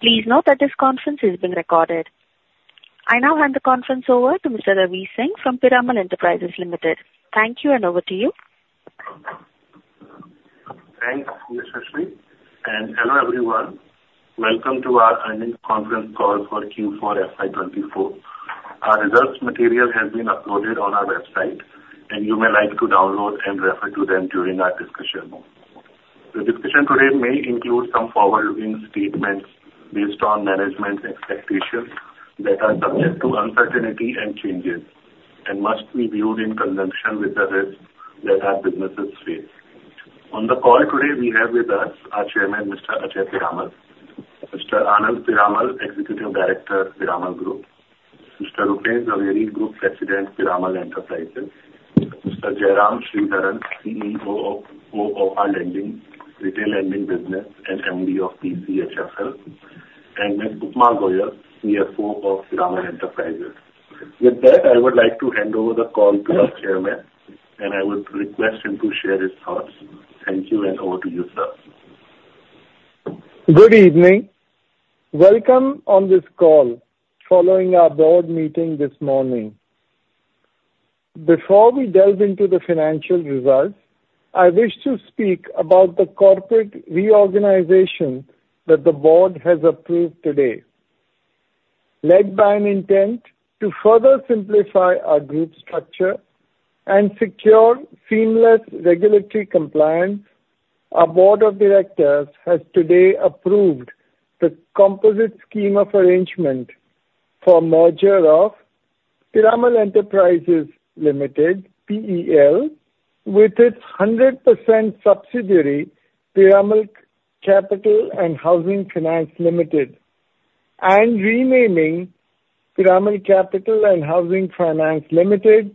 Please note that this conference is being recorded. I now hand the conference over to Mr. Ravi Singh from Piramal Enterprises Limited. Thank you, and over to you. Thanks, Ms. Sridhar. And hello everyone. Welcome to our Earnings Conference Call for Q4 FY24. Our results material has been uploaded on our website, and you may like to download and refer to them during our discussion. The discussion today may include some forward-looking statements based on management's expectations that are subject to uncertainty and changes, and must be viewed in conjunction with the risks that our businesses face. On the call today, we have with us our chairman, Mr. Ajay Piramal, Mr. Anand Piramal, Executive Director, Piramal Group, Mr. Rupen Jhaveri, Group President, Piramal Enterprises, Mr. Jairam Sridharan, CEO of our Lending, Retail Lending Business, and MD of PCHFL, and Ms. Upma Goel, CFO of Piramal Enterprises. With that, I would like to hand over the call to our chairman, and I would request him to share his thoughts. Thank you, and over to you, sir. Good evening. Welcome on this call following our board meeting this morning. Before we delve into the financial results, I wish to speak about the corporate reorganization that the board has approved today. Led by an intent to further simplify our group structure and secure seamless regulatory compliance, our board of directors has today approved the composite scheme of arrangement for merger of Piramal Enterprises Limited, PEL, with its 100% subsidiary Piramal Capital and Housing Finance Limited, and renaming Piramal Capital and Housing Finance Limited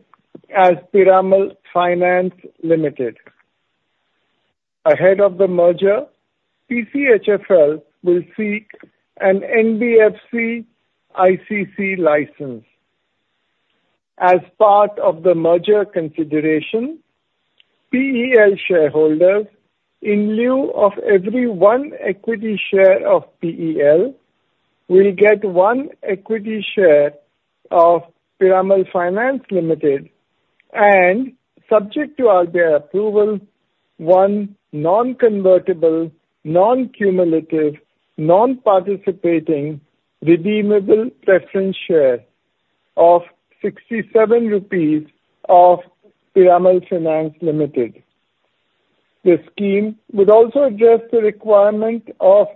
as Piramal Finance Limited. Ahead of the merger, PCHFL will seek an NBFC ICC license. As part of the merger consideration, PEL shareholders, in lieu of every one equity share of PEL, will get one equity share of Piramal Finance Limited and, subject to our approval, one non-convertible, non-cumulative, non-participating, redeemable preference share of 67 rupees of Piramal Finance Limited. The scheme would also address the requirement of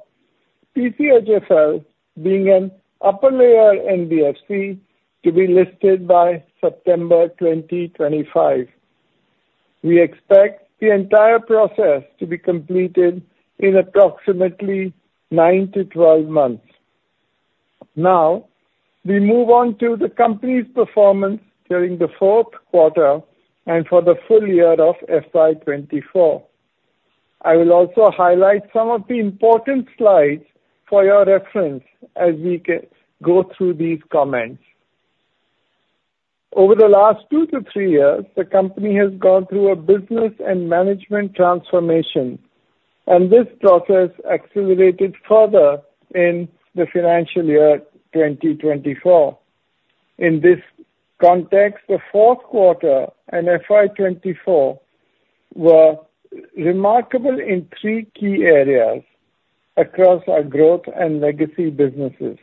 PCHFL being an upper-layer NBFC to be listed by September 2025. We expect the entire process to be completed in approximately 9-12 months. Now, we move on to the company's performance during the fourth quarter and for the full year of FY24. I will also highlight some of the important slides for your reference as we go through these comments. Over the last 2-3 years, the company has gone through a business and management transformation, and this process accelerated further in the financial year 2024. In this context, the fourth quarter and FY24 were remarkable in 3 key areas across our growth and legacy businesses.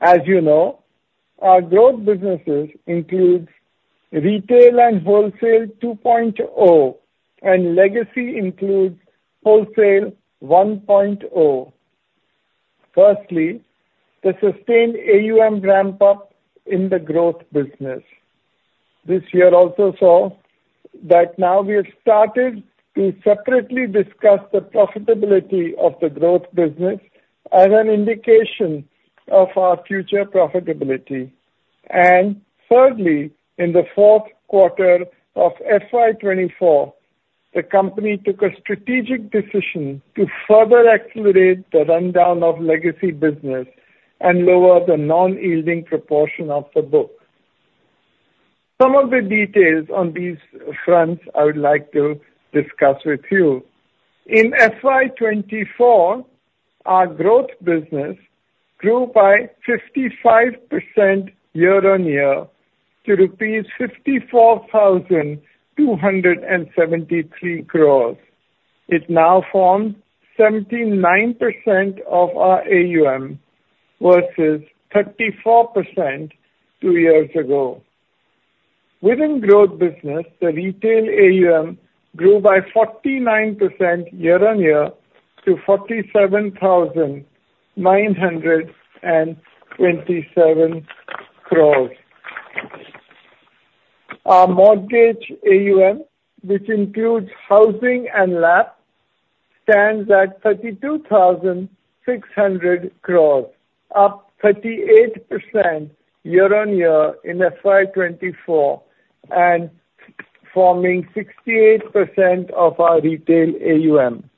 As you know, our growth businesses include retail and Wholesale 2.0, and legacy includes Wholesale 1.0. Firstly, the sustained AUM ramp-up in the growth business. This year, I also saw that now we have started to separately discuss the profitability of the growth business as an indication of our future profitability. And thirdly, in the fourth quarter of FY24, the company took a strategic decision to further accelerate the rundown of legacy business and lower the non-yielding proportion of the book. Some of the details on these fronts I would like to discuss with you. In FY24, our growth business grew by 55% year-over-year to rupees 54,273 crores. It now forms 79% of our AUM versus 34% two years ago. Within growth business, the retail AUM grew by 49% year-over-year to INR 47,927 crores. Our mortgage AUM, which includes housing and LAP, stands at 32,600 crores, up 38% year-over-year in FY24 and forming 68% of our retail AUM.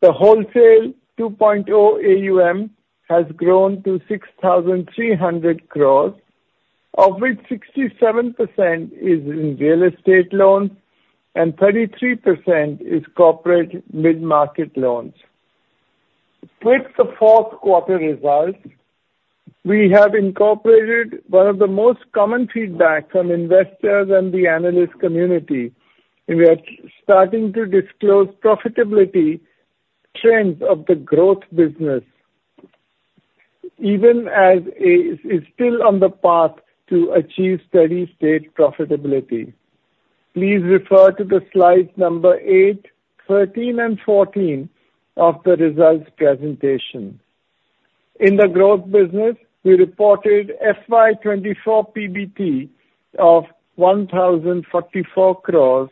The Wholesale 2.0 AUM has grown to 6,300 crores, of which 67% is in real estate loans and 33% is corporate mid-market loans. With the fourth quarter results, we have incorporated one of the most common feedback from investors and the analyst community, and we are starting to disclose profitability trends of the growth business, even as it is still on the path to achieve steady state profitability. Please refer to the slides number 8, 13, and 14 of the results presentation. In the growth business, we reported FY24 PBT of 1,044 crores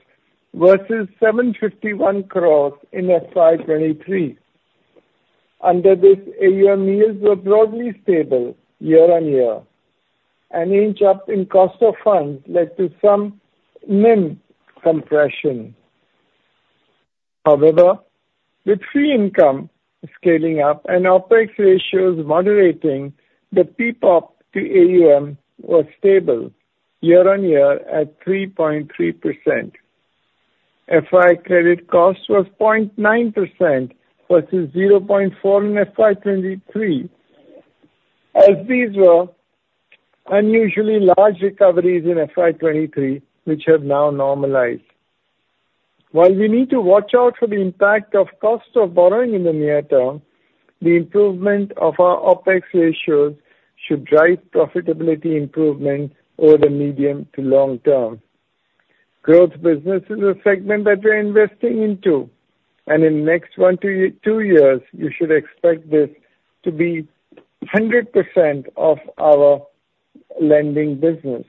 versus 751 crores in FY23. Under this, AUM yields were broadly stable year-on-year. An inch up in cost of funds led to some minimum compression. However, with free income scaling up and OpEx ratios moderating, the PPOP to AUM was stable year-on-year at 3.3%. FY credit cost was 0.9% versus 0.4% in FY23, as these were unusually large recoveries in FY23 which have now normalized. While we need to watch out for the impact of cost of borrowing in the near term, the improvement of our OpEx ratios should drive profitability improvement over the medium to long term. Growth business is a segment that we're investing into, and in the next 1-2 years, you should expect this to be 100% of our lending business.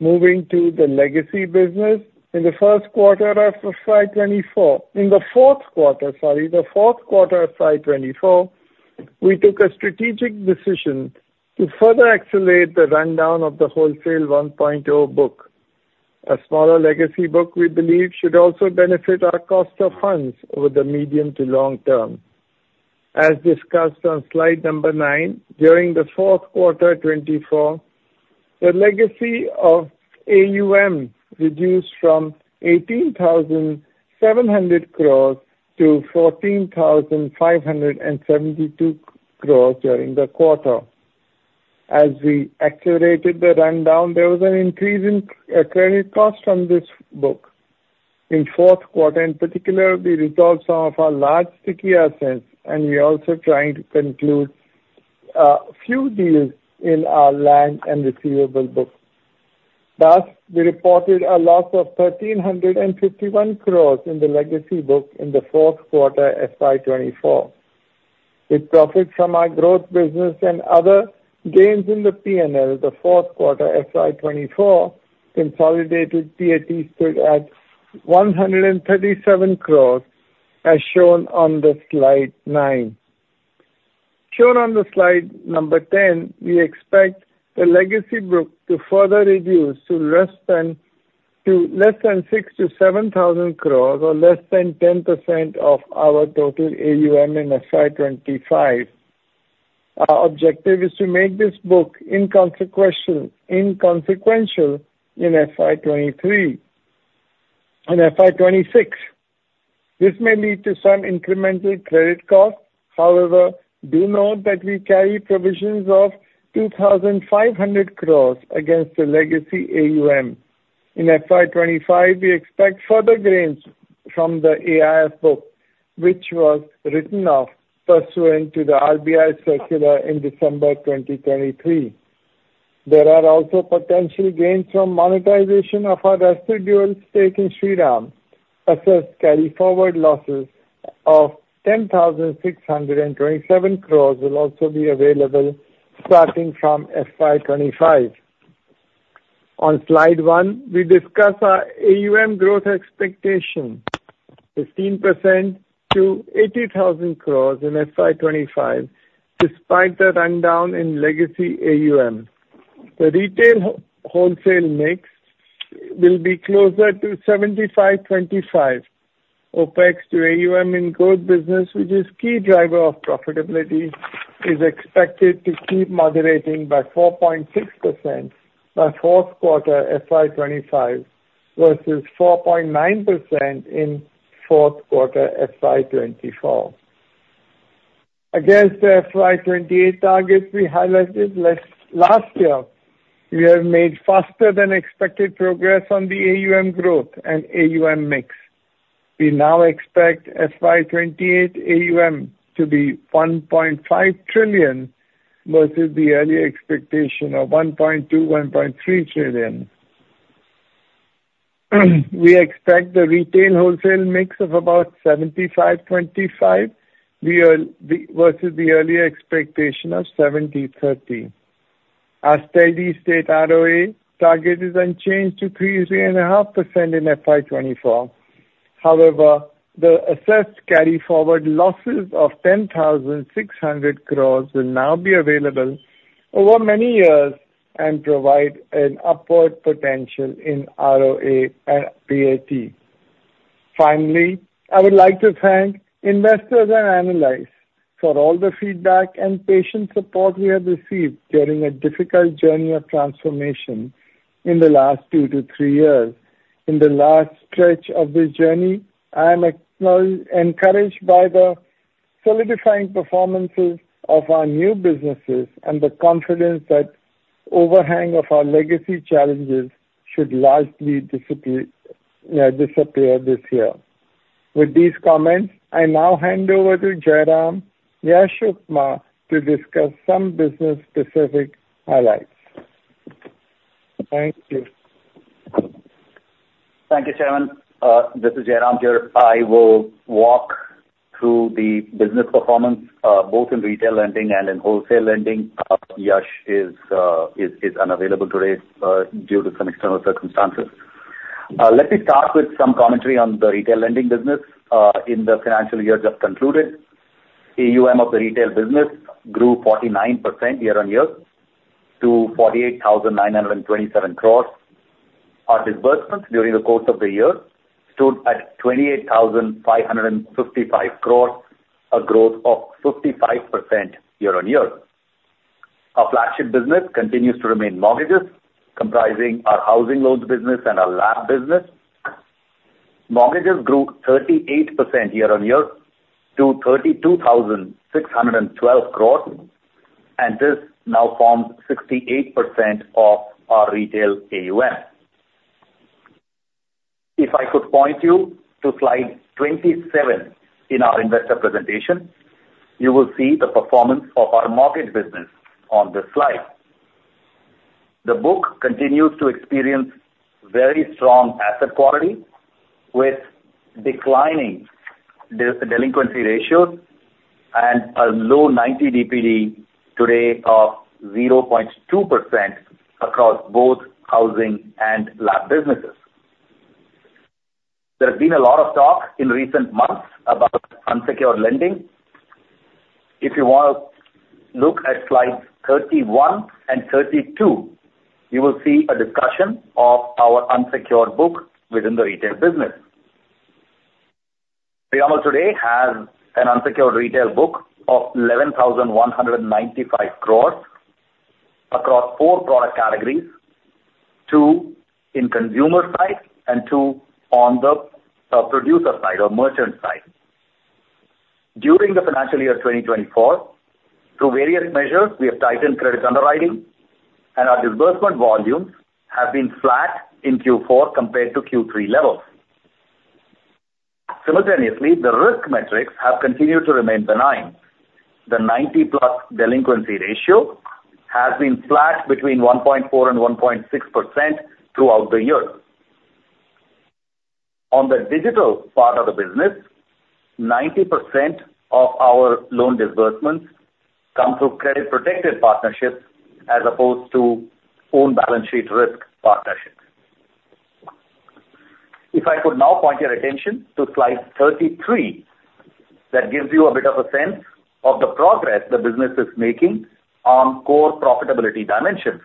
Moving to the legacy business, in the fourth quarter of FY24, sorry, we took a strategic decision to further accelerate the rundown of the Wholesale 1.0 book. A smaller legacy book, we believe, should also benefit our cost of funds over the medium to long term. As discussed on slide number 9, during the fourth quarter of 2024, the legacy of AUM reduced from 18,700 crores to 14,572 crores during the quarter. As we accelerated the rundown, there was an increase in credit cost from this book. In the fourth quarter, in particular, we resolved some of our large sticky assets, and we are also trying to conclude a few deals in our land and receivable book. Thus, we reported a loss of 1,351 crores in the legacy book in the fourth quarter of FY24. With profits from our growth business and other gains in the PEL, the fourth quarter of FY24 consolidated PAT stood at 137 crores, as shown on slide 9. Shown on slide number 10, we expect the legacy book to further reduce to less than 6,000-7,000 crores or less than 10% of our total AUM in FY25. Our objective is to make this book inconsequential in FY23 and FY26. This may lead to some incremental credit cost. However, do note that we carry provisions of 2,500 crores against the legacy AUM. In FY25, we expect further gains from the AIF book, which was written off pursuant to the RBI circular in December 2023. There are also potential gains from monetization of our residual stake in Shriram. Assessed carry-forward losses of 10,627 crores will also be available starting from FY25. On slide 1, we discuss our AUM growth expectation, 15% to 80,000 crores in FY25 despite the rundown in legacy AUM. The retail wholesale mix will be closer to 75-25. OpEx to AUM in growth business, which is a key driver of profitability, is expected to keep moderating by 4.6% by fourth quarter of FY25 versus 4.9% in fourth quarter of FY24. Against the FY28 targets we highlighted last year, we have made faster-than-expected progress on the AUM growth and AUM mix. We now expect FY28 AUM to be 1.5 trillion versus the earlier expectation of 1.2-1.3 trillion. We expect the retail wholesale mix of about 75-25 versus the earlier expectation of 70-30. Our steady state ROA target is unchanged to 3.5% in FY24. However, the assessed carry-forward losses of 10,600 crores will now be available over many years and provide an upward potential in ROA and PAT. Finally, I would like to thank investors and analysts for all the feedback and patient support we have received during a difficult journey of transformation in the last two to three years. In the last stretch of this journey, I am encouraged by the solidifying performances of our new businesses and the confidence that the overhang of our legacy challenges should largely disappear this year. With these comments, I now hand over to Jairam Sridharan to discuss some business-specific highlights. Thank you. Thank you, Chairman. This is Jairam here. I will walk through the business performance both in retail lending and in wholesale lending. Yesh is unavailable today due to some external circumstances. Let me start with some commentary on the retail lending business. In the financial year just concluded, the AUM of the retail business grew 49% year-on-year to 48,927 crores. Our disbursements during the course of the year stood at 28,555 crores, a growth of 55% year-on-year. Our flagship business continues to remain mortgages, comprising our housing loans business and our LAP business. Mortgages grew 38% year-on-year to 32,612 crores, and this now forms 68% of our retail AUM. If I could point you to slide 27 in our investor presentation, you will see the performance of our mortgage business on this slide. The book continues to experience very strong asset quality with declining delinquency ratios and a low 90 DPD today of 0.2% across both housing and LAP businesses. There has been a lot of talk in recent months about unsecured lending. If you want to look at slides 31 and 32, you will see a discussion of our unsecured book within the retail business. Piramal today has an unsecured retail book of 11,195 crores across four product categories: two in consumer side and two on the producer side or merchant side. During the financial year 2024, through various measures, we have tightened credit underwriting, and our disbursement volumes have been flat in Q4 compared to Q3 levels. Simultaneously, the risk metrics have continued to remain benign. The 90-plus delinquency ratio has been flat between 1.4%-1.6% throughout the year. On the digital part of the business, 90% of our loan disbursements come through credit-protected partnerships as opposed to own balance sheet risk partnerships. If I could now point your attention to slide 33, that gives you a bit of a sense of the progress the business is making on core profitability dimensions.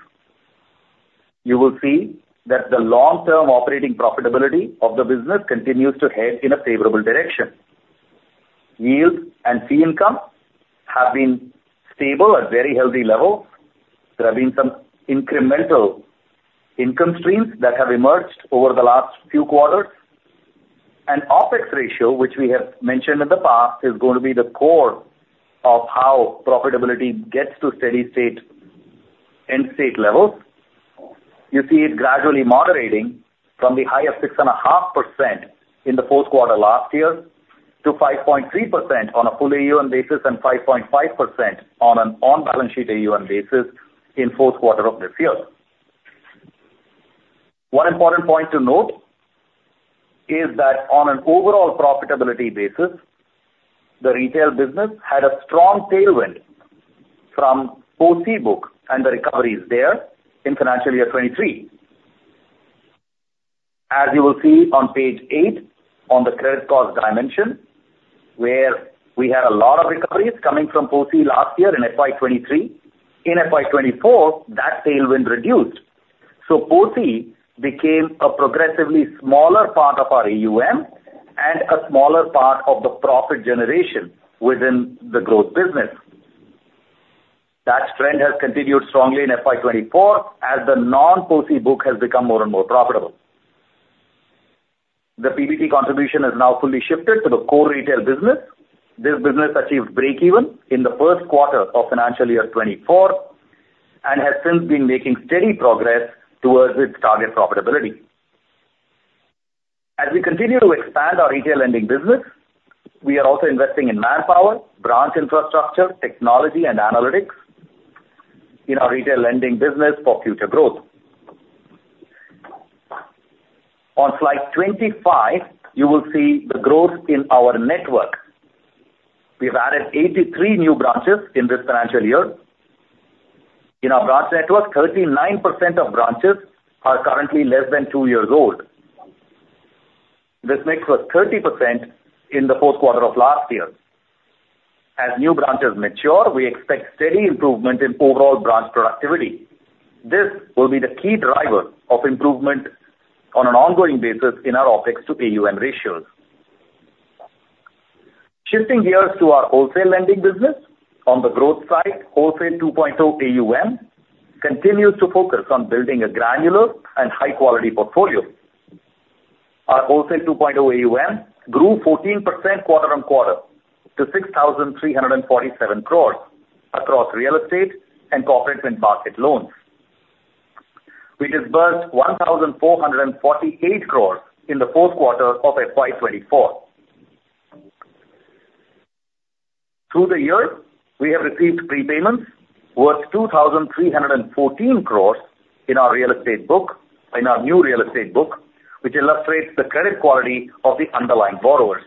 You will see that the long-term operating profitability of the business continues to head in a favorable direction. Yields and fee income have been stable at very healthy levels. There have been some incremental income streams that have emerged over the last few quarters. An OpEx ratio, which we have mentioned in the past, is going to be the core of how profitability gets to steady state end-state levels. You see it gradually moderating from the high of 6.5% in the fourth quarter last year to 5.3% on a full AUM basis and 5.5% on an own balance sheet AUM basis in the fourth quarter of this year. One important point to note is that on an overall profitability basis, the retail business had a strong tailwind from DHFL book and the recoveries there in financial year 2023. As you will see on page 8 on the credit cost dimension, where we had a lot of recoveries coming from DHFL last year in FY 2023, in FY 2024, that tailwind reduced. So DHFL became a progressively smaller part of our AUM and a smaller part of the profit generation within the growth business. That trend has continued strongly in FY 2024 as the non-DHFL book has become more and more profitable. The PBT contribution has now fully shifted to the core retail business. This business achieved break-even in the first quarter of financial year 2024 and has since been making steady progress towards its target profitability. As we continue to expand our retail lending business, we are also investing in manpower, branch infrastructure, technology, and analytics in our retail lending business for future growth. On slide 25, you will see the growth in our network. We have added 83 new branches in this financial year. In our branch network, 39% of branches are currently less than two years old. This mix was 30% in the fourth quarter of last year. As new branches mature, we expect steady improvement in overall branch productivity. This will be the key driver of improvement on an ongoing basis in our OpEx to AUM ratios. Shifting gears to our wholesale lending business, on the growth side, wholesale 2.0 AUM continues to focus on building a granular and high-quality portfolio. Our wholesale 2.0 AUM grew 14% quarter-on-quarter to 6,347 crores across real estate and corporate mid-market loans. We disbursed 1,448 crores in the fourth quarter of FY24. Through the year, we have received prepayments worth 2,314 crores in our real estate book in our new real estate book, which illustrates the credit quality of the underlying borrowers.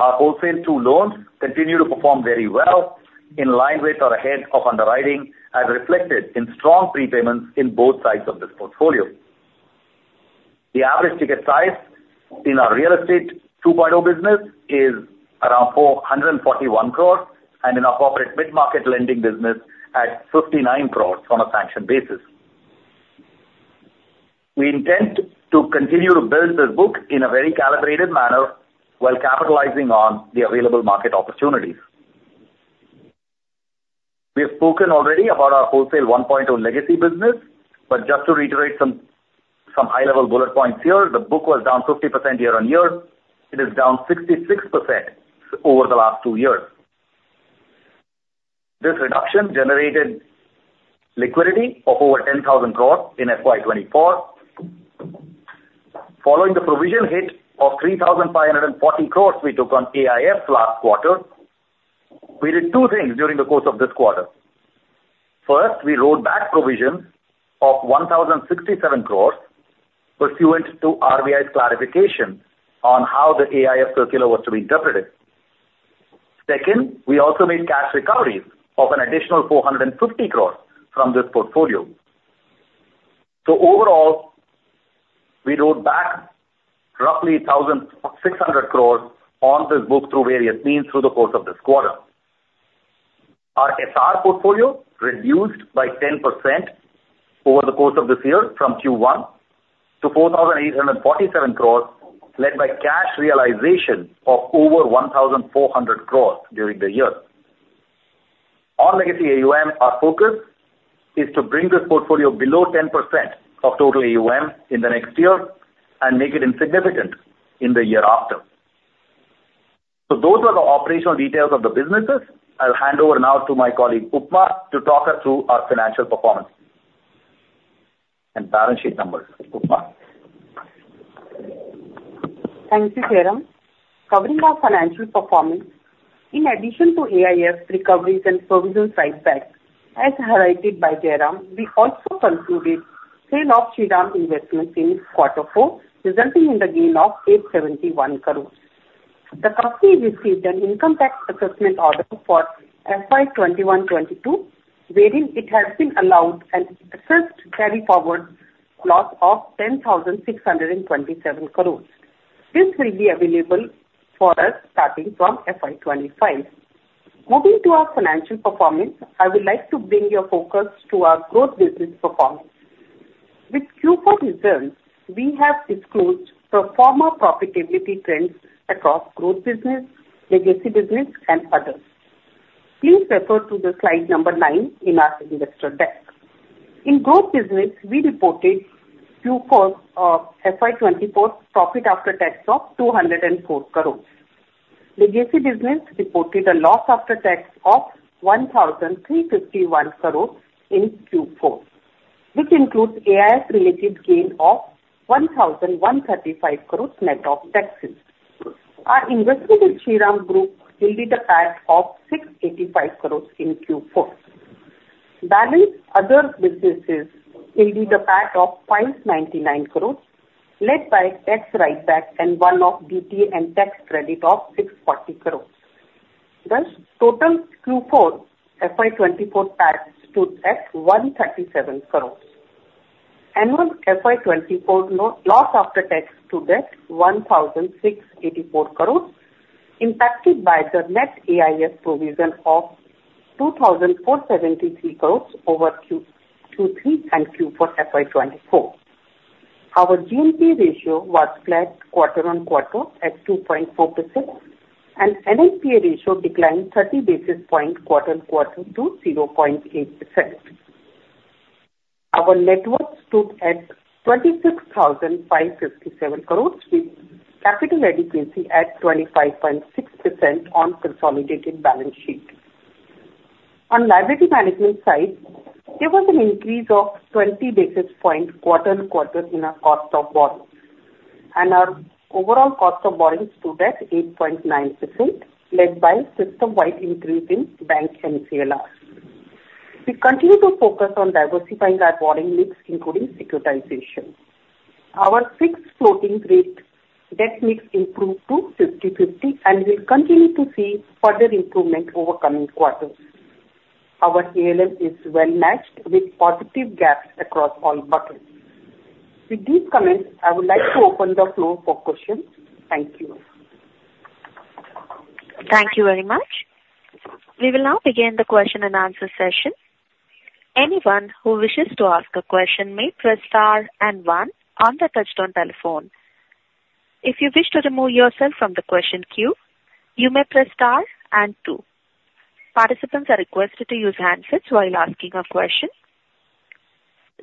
Our Wholesale 2.0 loans continue to perform very well in line with our ahead of underwriting as reflected in strong prepayments in both sides of this portfolio. The average ticket size in our real estate 2.0 business is around 441 crores and in our corporate mid-market lending business at 59 crores on a sanctioned basis. We intend to continue to build this book in a very calibrated manner while capitalizing on the available market opportunities. We have spoken already about our Wholesale 1.0 legacy business, but just to reiterate some high-level bullet points here, the book was down 50% year-over-year. It is down 66% over the last two years. This reduction generated liquidity of over 10,000 crores in FY 2024. Following the provision hit of 3,540 crores we took on AIF last quarter, we did two things during the course of this quarter. First, we wrote back provisions of 1,067 crores pursuant to RBI's clarification on how the AIF circular was to be interpreted. Second, we also made cash recoveries of an additional 450 crores from this portfolio. So overall, we wrote back roughly 1,600 crores on this book through various means through the course of this quarter. Our SR portfolio reduced by 10% over the course of this year from Q1 to 4,847 crores led by cash realization of over 1,400 crores during the year. On legacy AUM, our focus is to bring this portfolio below 10% of total AUM in the next year and make it insignificant in the year after. Those are the operational details of the businesses. I'll hand over now to my colleague Upma to talk us through our financial performance and balance sheet numbers, Upma. Thank you, Jairam. Covering our financial performance, in addition to AIF recoveries and provisions write-back as highlighted by Jairam, we also concluded sale of Shriram Investments in quarter four resulting in the gain of 871 crores. The company received an income tax assessment order for FY21-22 wherein it has been allowed an assessed carry-forward loss of 10,627 crores. This will be available for us starting from FY25. Moving to our financial performance, I would like to bring your focus to our growth business performance. With Q4 results, we have disclosed segmental profitability trends across growth business, legacy business, and others. Please refer to slide 9 in our investor deck. In growth business, we reported Q4 of FY24 profit after tax of INR 204 crores. Legacy business reported a loss after tax of INR 1,351 crores in Q4, which includes AIF-related gain of INR 1,135 crores net of taxes. Our investment in Shriram Group will be the part of INR 685 crores in Q4. Balance other businesses will be the part of 599 crores led by tax write-back and one-off DT and tax credit of 640 crores. Thus, total Q4 FY24 tax stood at 137 crores. Annual FY24 loss after tax stood at 1,684 crores impacted by the net AIF provision of 2,473 crores over Q3 and Q4 FY24. Our GNPA ratio was flat quarter-on-quarter at 2.4%, and NNPA ratio declined 30 basis points quarter-on-quarter to 0.8%. Our net worth stood at 26,557 crores with capital adequacy at 25.6% on consolidated balance sheet. On liability management side, there was an increase of 20 basis points quarter-on-quarter in our cost of borrowing, and our overall cost of borrowing stood at 8.9% led by system-wide increase in bank MCLRs. We continue to focus on diversifying our borrowing mix, including securitization. Our fixed floating rate debt mix improved to 50/50 and will continue to see further improvement over coming quarters. Our ALM is well-matched with positive gaps across all buckets. With these comments, I would like to open the floor for questions. Thank you. Thank you very much. We will now begin the question and answer session. Anyone who wishes to ask a question may press star and one on the touch-tone telephone. If you wish to remove yourself from the question queue, you may press star and two. Participants are requested to use handsets while asking a question.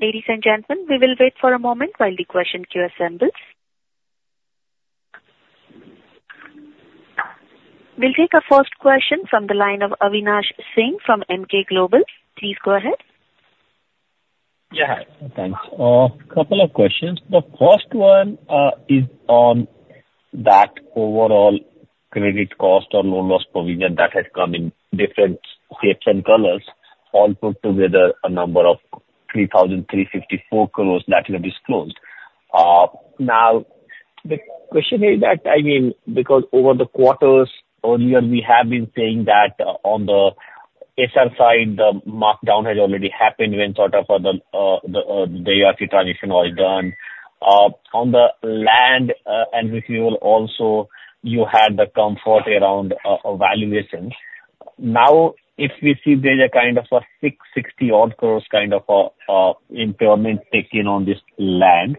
Ladies and gentlemen, we will wait for a moment while the question queue assembles. We'll take a first question from the line of Avinash Singh from Emkay Global. Please go ahead. Yeah, thanks. A couple of questions. The first one is on that overall credit cost or loan loss provision that has come in different shapes and colors, all put together a number of 3,354 crore that were disclosed. Now, the question is that I mean, because over the quarters earlier, we have been saying that on the SR side, the markdown has already happened when sort of the DRT transition was done. On the land and refuel also, you had the comfort around valuation. Now, if we see there's a kind of a 660-odd crore kind of impairment taken on this land,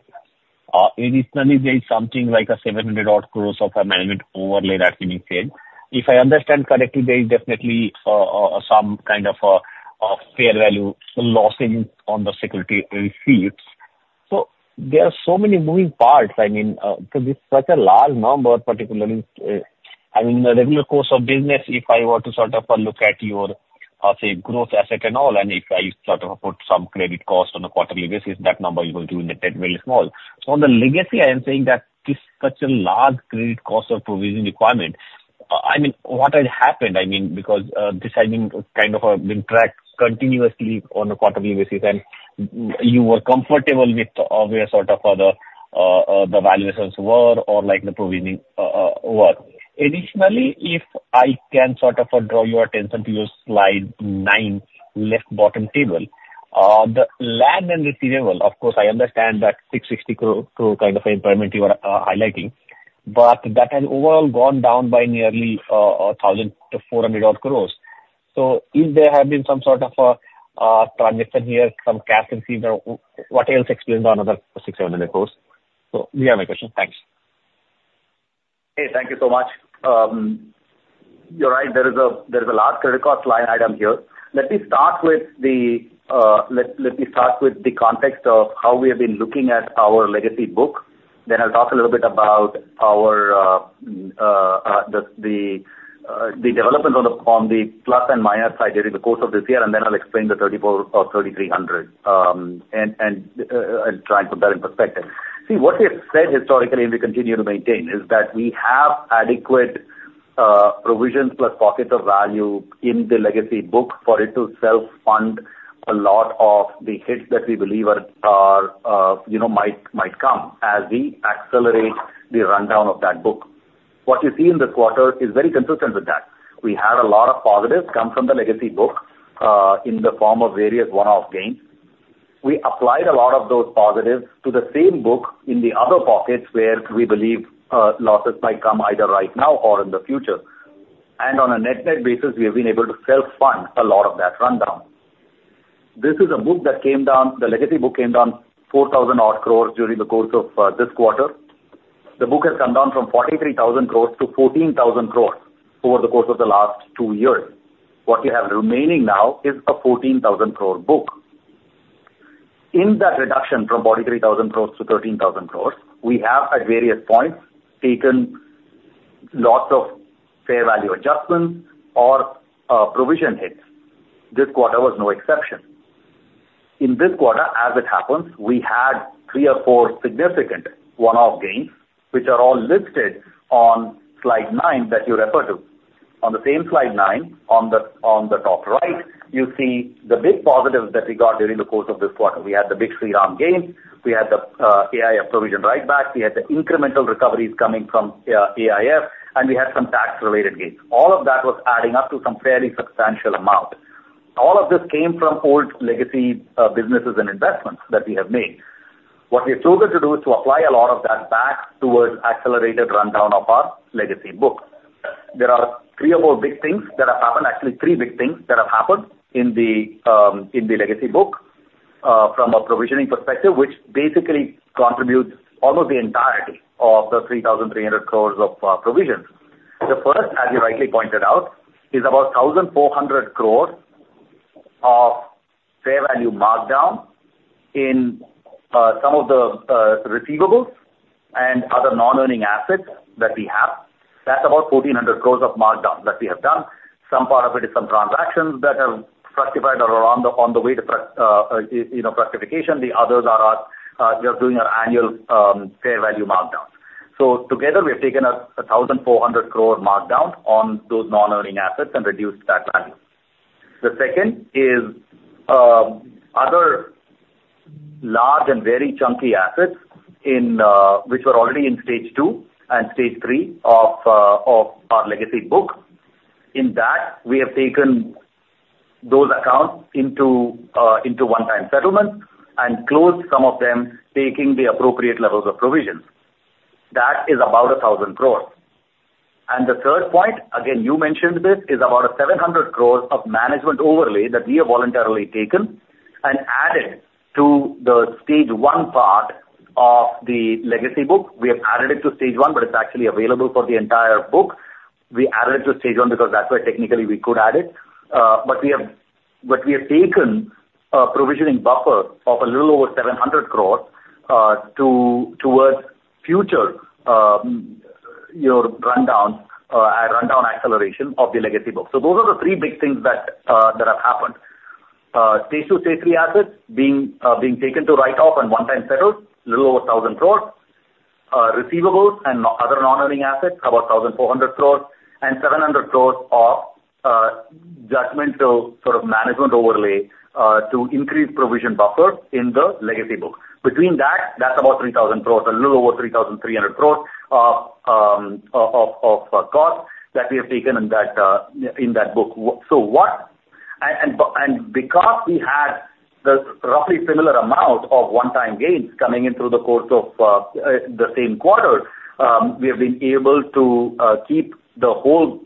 additionally, there's something like a 700-odd crore of a management overlay that's been taken. If I understand correctly, there is definitely some kind of a fair value loss in on the security receipts. So there are so many moving parts. I mean, because it's such a large number, particularly I mean, in the regular course of business, if I were to sort of look at your, say, growth asset and all, and if I sort of put some credit cost on a quarterly basis, that number you will do in the debt will be small. On the legacy, I am saying that it's such a large credit cost or provision requirement. I mean, what has happened? I mean, because this has been kind of tracked continuously on a quarterly basis, and you were comfortable with where sort of the valuations were or the provisioning were. Additionally, if I can sort of draw your attention to your slide 9 left bottom table, the land and receivable, of course, I understand that 660 crore kind of impairment you were highlighting, but that has overall gone down by nearly 1,400-odd crores. If there have been some sort of a transaction here, some cash received, or what else explained on another 670 crore? Do you have any questions? Thanks. Hey, thank you so much. You're right. There is a large credit cost line item here. Let me start with the context of how we have been looking at our legacy book. Then I'll talk a little bit about the developments on the plus and minus side during the course of this year, and then I'll explain the 34 or 3,300 and try and put that in perspective. See, what we have said historically, and we continue to maintain, is that we have adequate provisions plus pockets of value in the legacy book for it to self-fund a lot of the hits that we believe might come as we accelerate the rundown of that book. What you see in this quarter is very consistent with that. We had a lot of positives come from the legacy book in the form of various one-off gains. We applied a lot of those positives to the same book in the other pockets where we believe losses might come either right now or in the future. On a net-net basis, we have been able to self-fund a lot of that rundown. This is a book that came down. The legacy book came down 4,000-odd crores during the course of this quarter. The book has come down from 43,000 crores to 14,000 crores over the course of the last two years. What you have remaining now is a 14,000 crore book. In that reduction from 43,000 crores-13,000 crores, we have at various points taken lots of fair value adjustments or provision hits. This quarter was no exception. In this quarter, as it happens, we had three or four significant one-off gains, which are all listed on slide 9 that you refer to. On the same slide 9, on the top right, you see the big positives that we got during the course of this quarter. We had the big Shriram gains. We had the AIF provision write-back. We had the incremental recoveries coming from AIF, and we had some tax-related gains. All of that was adding up to some fairly substantial amount. All of this came from old legacy businesses and investments that we have made. What we have chosen to do is to apply a lot of that back towards accelerated rundown of our legacy book. There are three or four big things that have happened, actually, three big things that have happened in the legacy book from a provisioning perspective, which basically contributes almost the entirety of the 3,300 crores of provisions. The first, as you rightly pointed out, is about 1,400 crores of fair value markdown in some of the receivables and other non-earning assets that we have. That's about 1,400 crores of markdown that we have done. Some part of it is some transactions that have fructified or are on the way to fructification. The others are just doing our annual fair value markdowns. So together, we have taken a 1,400 crore markdown on those non-earning assets and reduced that value. The second is other large and very chunky assets which were already in stage two and stage three of our legacy book. In that, we have taken those accounts into one-time settlements and closed some of them taking the appropriate levels of provisions. That is about 1,000 crores. The third point, again, you mentioned this, is about 700 crore of management overlay that we have voluntarily taken and added to the stage one part of the legacy book. We have added it to stage one, but it's actually available for the entire book. We added it to stage one because that's where technically we could add it. But we have taken a provisioning buffer of a little over 700 crores towards future rundown acceleration of the legacy book. So those are the three big things that have happened. Stage two, stage three assets being taken to write off and one-time settled, a little over 1,000 crores. Receivables and other non-earning assets, about 1,400 crores and 700 crores of judgmental sort of management overlay to increase provision buffer in the legacy book. Between that, that's about 3,000 crores, a little over 3,300 crores of cost that we have taken in that book. So what and because we had the roughly similar amount of one-time gains coming in through the course of the same quarter, we have been able to keep the whole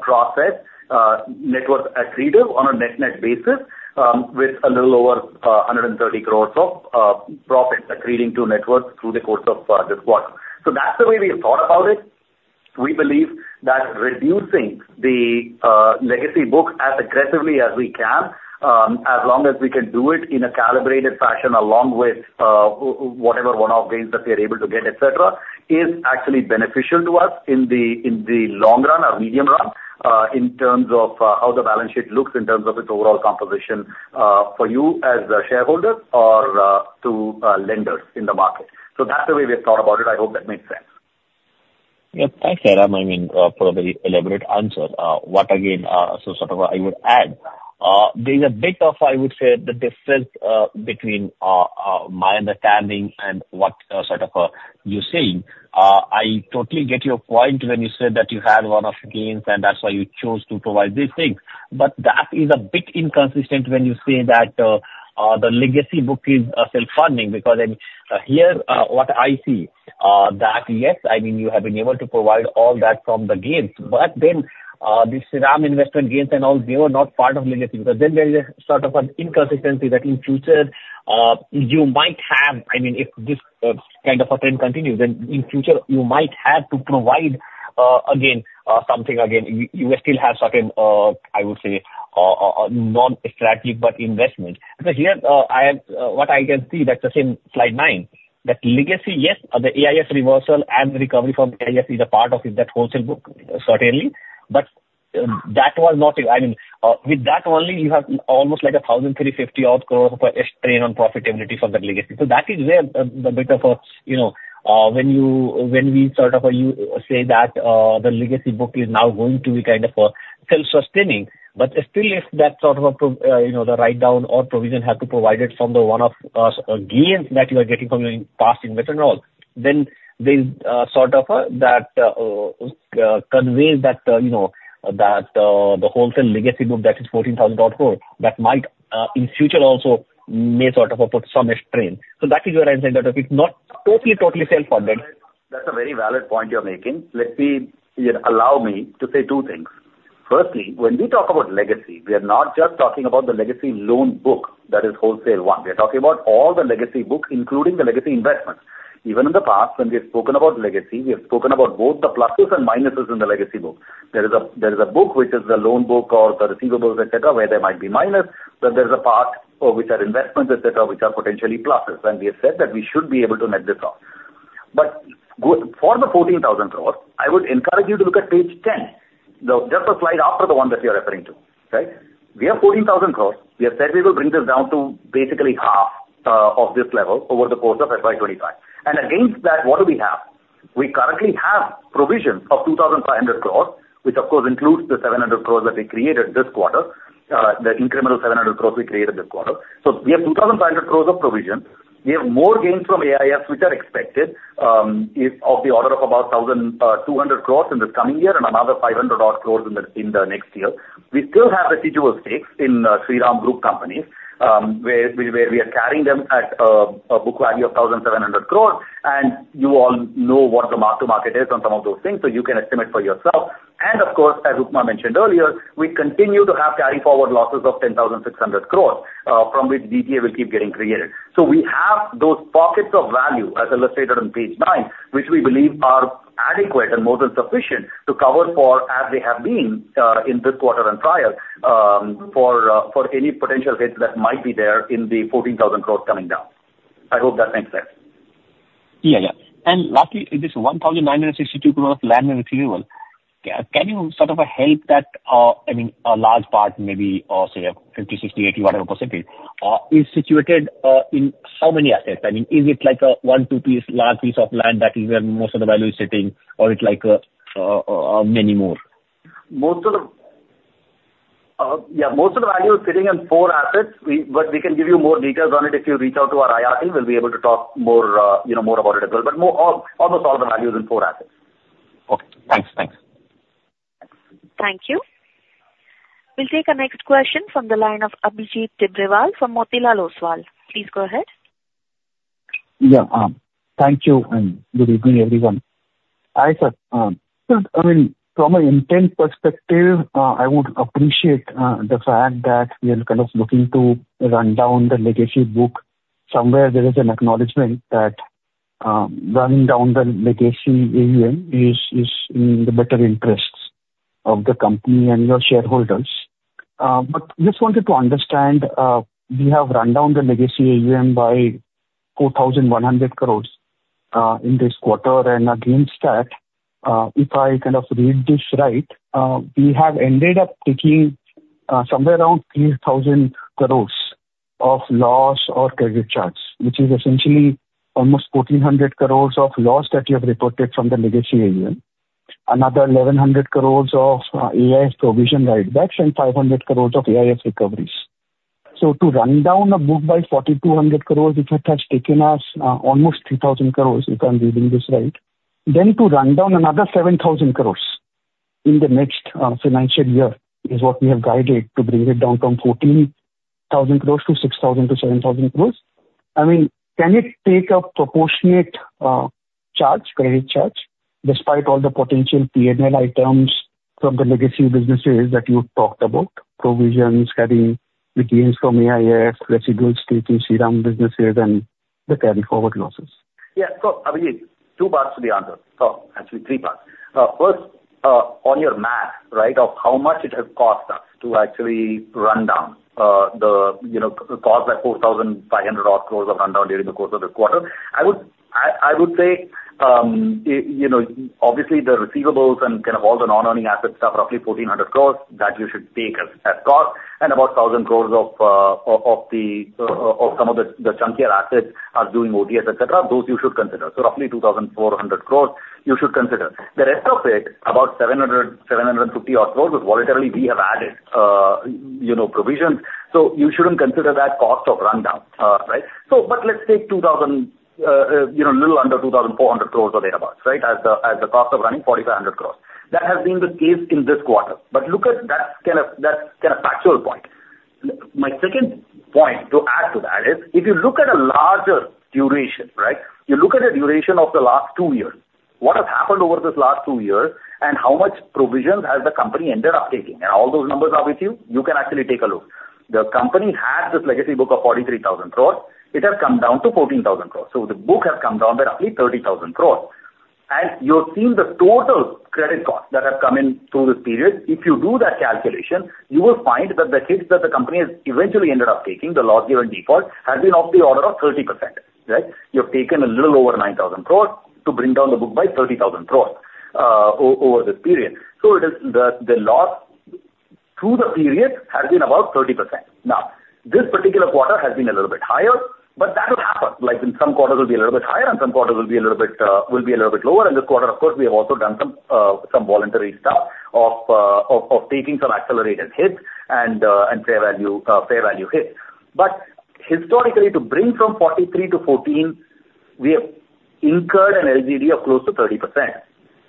process net worth accretive on a net-net basis with a little over 130 crores of profit accreting to net worth through the course of this quarter. So that's the way we have thought about it. We believe that reducing the legacy book as aggressively as we can, as long as we can do it in a calibrated fashion along with whatever one-off gains that we are able to get, etc., is actually beneficial to us in the long run or medium run in terms of how the balance sheet looks, in terms of its overall composition for you as shareholders or to lenders in the market. So that's the way we have thought about it. I hope that makes sense. Yeah, thanks, Jairam. I mean, for a very elaborate answer. What, again, so sort of I would add, there's a bit of, I would say, the difference between my understanding and what sort of you're saying. I totally get your point when you said that you had one-off gains, and that's why you chose to provide these things. But that is a bit inconsistent when you say that the legacy book is self-funding because, I mean, here, what I see, that yes, I mean, you have been able to provide all that from the gains. But then these Shriram investment gains and all, they were not part of legacy because then there is a sort of an inconsistency that in future, you might have I mean, if this kind of a trend continues, then in future, you might have to provide, again, something. Again, you still have certain, I would say, non-strategic but investments. Because here, what I can see, that's the same slide 9, that legacy, yes, the AIF reversal and the recovery from AIF is a part of that wholesale book, certainly. But that was not I mean, with that only, you have almost like a 1,350-odd crore of a strain on profitability from that legacy. So that is where the bit of a when we sort of say that the legacy book is now going to be kind of self-sustaining. But still, if that sort of a the write-down or provision had to provide it from the one-off gains that you are getting from your past investment and all, then there's sort of a that conveys that the wholesale legacy book that is 14,000-odd crore, that might in future also may sort of put some strain. That is where I'm saying that if it's not totally, totally self-funded. That's a very valid point you're making. Let me allow me to say two things. Firstly, when we talk about legacy, we are not just talking about the legacy loan book that is Wholesale 1.0. We are talking about all the legacy book, including the legacy investments. Even in the past, when we have spoken about legacy, we have spoken about both the pluses and minuses in the legacy book. There is a book which is the loan book or the receivables, etc., where there might be minus, but there's a part which are investments, etc., which are potentially pluses. And we have said that we should be able to net this off. But for the 14,000 crore, I would encourage you to look at page 10, just the slide after the one that you're referring to, right? We have 14,000 crore. We have said we will bring this down to basically half of this level over the course of FY25. Against that, what do we have? We currently have provisions of 2,500 crores, which, of course, includes the 700 crores that we created this quarter, the incremental 700 crores we created this quarter. We have 2,500 crores of provision. We have more gains from AIF which are expected of the order of about 1,200 crores in this coming year and another 500-odd crores in the next year. We still have residual stakes in Shriram Group companies where we are carrying them at a book value of 1,700 crores. You all know what the mark-to-market is on some of those things, so you can estimate for yourself. Of course, as Upma mentioned earlier, we continue to have carry-forward losses of 10,600 crores from which DTA will keep getting created. So we have those pockets of value, as illustrated on page 9, which we believe are adequate and more than sufficient to cover for as they have been in this quarter and prior for any potential hits that might be there in the 14,000 crores coming down. I hope that makes sense. Yeah, yeah. And lastly, this 1,962 crore of land and receivable, can you sort of help that? I mean, a large part, maybe, or say a 50, 60, 80, whatever percentage, is situated in how many assets? I mean, is it like a 1, 2-piece, large piece of land that is where most of the value is sitting, or is it like many more? Yeah, most of the value is sitting in four assets, but we can give you more details on it if you reach out to our IRT. We'll be able to talk more about it as well, but almost all the value is in four assets. Okay. Thanks. Thanks. Thank you. We'll take our next question from the line of Abhijit Tibrewal from Motilal Oswal. Please go ahead. Yeah. Thank you, and good evening, everyone. Hi, sir. I mean, from an intent perspective, I would appreciate the fact that we are kind of looking to run down the legacy book. Somewhere, there is an acknowledgment that running down the legacy AUM is in the better interests of the company and your shareholders. But I just wanted to understand, we have run down the legacy AUM by 4,100 crores in this quarter. And against that, if I kind of read this right, we have ended up taking somewhere around 3,000 crores of loss or credit costs, which is essentially almost 1,400 crores of loss that you have reported from the legacy AUM, another 1,100 crores of AIF provision write-backs, and 500 crores of AIF recoveries. To run down a book by 4,200 crores, which has taken us almost 3,000 crores, if I'm reading this right, then to run down another 7,000 crores in the next financial year is what we have guided to bring it down from 14,000 crores to 6,000-7,000 crores. I mean, can it take a proportionate charge, credit charge, despite all the potential P&L items from the legacy businesses that you talked about, provisions, having gains from AIF, residual stake in Shriram businesses, and the carry-forward losses? Yeah. So Abhijit, two parts to the answer, actually, three parts. First, on your math, right, of how much it has cost us to actually rundown the cost that 4,500-odd crore of rundown during the course of the quarter, I would say obviously, the receivables and kind of all the non-earning asset stuff, roughly 1,400 crore, that you should take as cost. And about 1,000 crore of some of the chunkier assets are doing OTS, etc., those you should consider. So roughly 2,400 crore, you should consider. The rest of it, about 750-odd crore, is voluntarily we have added provisions. So you shouldn't consider that cost of rundown, right? But let's take 2,000, a little under 2,400 crore or thereabouts, right, as the cost of running, 4,500 crore. That has been the case in this quarter. But look at that kind of factual point. My second point to add to that is if you look at a larger duration, right, you look at the duration of the last two years, what has happened over this last two years, and how much provisions has the company ended up taking. All those numbers are with you. You can actually take a look. The company had this legacy book of 43,000 crores. It has come down to 14,000 crores. The book has come down by roughly 30,000 crores. You'll see the total credit costs that have come in through this period. If you do that calculation, you will find that the hits that the company has eventually ended up taking, the loss given DHFL, has been of the order of 30%, right? You have taken a little over 9,000 crores to bring down the book by 30,000 crores over this period. So the loss through the period has been about 30%. Now, this particular quarter has been a little bit higher, but that will happen. In some quarters, it will be a little bit higher, and some quarters will be a little bit lower. And this quarter, of course, we have also done some voluntary stuff of taking some accelerated hits and fair value hits. But historically, to bring from 43,000 to 14,000, we have incurred an LGD of close to 30%.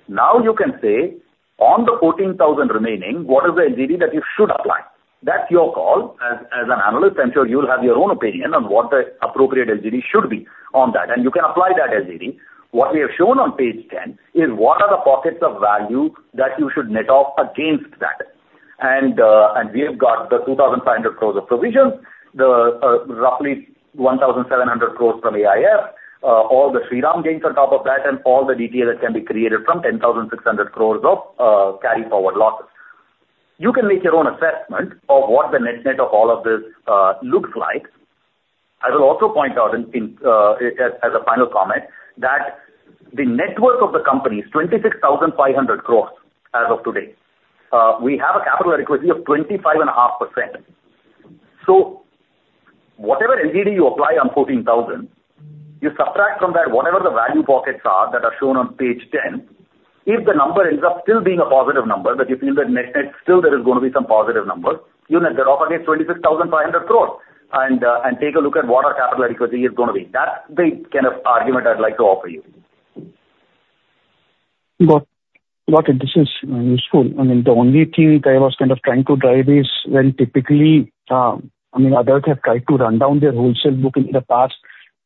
Now, you can say, on the 14,000 remaining, what is the LGD that you should apply? That's your call. As an analyst, I'm sure you'll have your own opinion on what the appropriate LGD should be on that. And you can apply that LGD. What we have shown on page 10 is what are the pockets of value that you should net off against that. We have got the 2,500 crores of provisions, the roughly 1,700 crores from AIF, all the Sridharan gains on top of that, and all the DTA that can be created from 10,600 crores of carry-forward losses. You can make your own assessment of what the net-net of all of this looks like. I will also point out as a final comment that the net worth of the company is 26,500 crores as of today. We have a capital equity of 25.5%. So whatever LGD you apply on 14,000, you subtract from that whatever the value pockets are that are shown on page 10. If the number ends up still being a positive number, that you feel that net-net still there is going to be some positive numbers, you net that off against 26,500 crore and take a look at what our capital equity is going to be. That's the kind of argument I'd like to offer you. Got it. This is useful. I mean, the only thing that I was kind of trying to drive is when typically, I mean, others have tried to run down their wholesale book in the past,